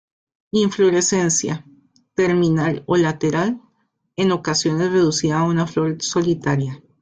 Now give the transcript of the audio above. Inflorescencia, terminal o lateral, en ocasiones reducida a una flor solitaria.